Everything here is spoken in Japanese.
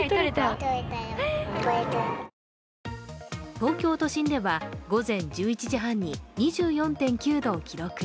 東京都心では午前１１時半に２４．９度を記録。